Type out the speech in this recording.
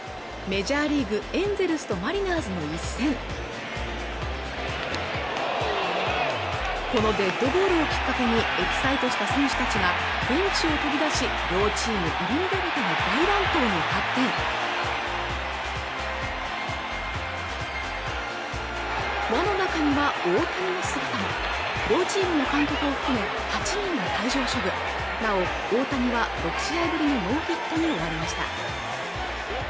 メジャーリーグエンゼルスとマリナーズの一戦このデッドボールをきっかけにエキサイトした選手たちがベンチを飛び出し両チーム入り乱れての大乱闘に発展輪の中には大谷の姿も両チームの監督を含め８人が退場処分なお大谷は６試合ぶりのノーヒットに終わりました